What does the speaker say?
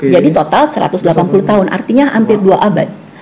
jadi total satu ratus delapan puluh tahun artinya hampir dua abad